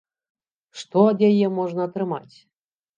Што ад яе можна атрымаць?